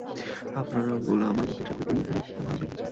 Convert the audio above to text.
আপনার আঙ্গুল আমার মুখের সামনে ঘুরিয়ে - অ্যাই, আমার হাত বেঁকে গেছে।